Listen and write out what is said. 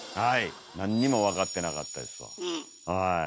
はい何にも分かってなかったですわ。